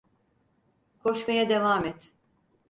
Koşmaya devam et!